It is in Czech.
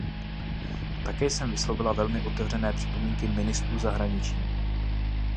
Také jsem vyslovila velmi otevřené připomínky ministru zahraničí.